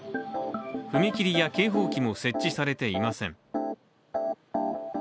踏切や警報器も設置されていません。